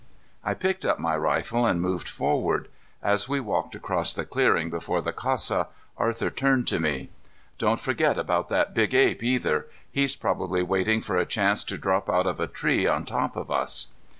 I picked up my rifle and moved forward. As we walked across the clearing before the casa, Arthur turned to me. "Don't forget about that big ape, either. He's probably waiting for a chance to drop out of a tree on top of us."